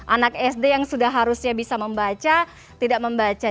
anak sd yang sudah harusnya bisa membaca tidak membaca